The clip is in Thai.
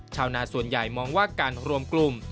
ชาวนาส่วนใหญ่มองว่าการรวมกลุ่ม